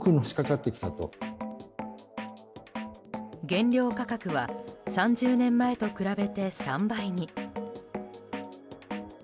原料価格は３０年前と比べて３倍に。